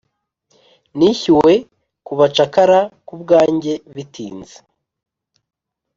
nishyuwe-kubacakara-kubwanjye bitinze